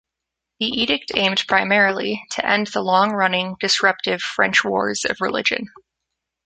The Edict aimed primarily to end the long-running, disruptive French Wars of Religion.